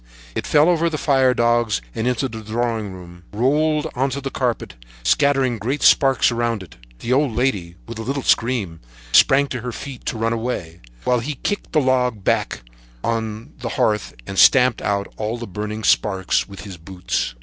It fell over the firedogs into the drawing room and rolled on to the carpet, scattering great sparks around it. The old lady, with a little scream, sprang to her feet to run away, while he kicked the log back on to the hearth and stamped out all the burning sparks with his boots.